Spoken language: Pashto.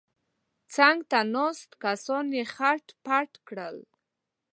څنګ ته ناست کسان یې خت پت کړل.